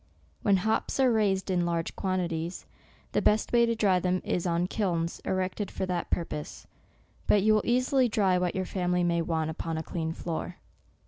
When hops are raised in large quantities, the best way to dry them is on kilns, erected for that purpose ; but you will easily dry what your family may want upon a clean floor.